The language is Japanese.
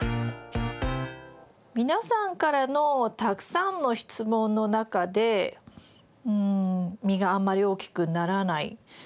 皆さんからのたくさんの質問の中でうん「実があんまり大きくならない」